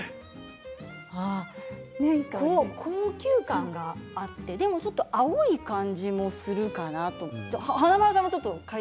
高級感があってでも青い感じもするかなと。